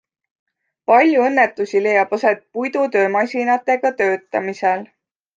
Palju õnnetusi leiab aset puidutöömasinatega töötamisel.